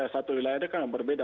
satu wilayah kan berbeda